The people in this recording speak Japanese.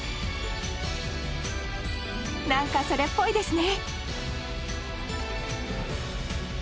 なんかそれっぽいですね。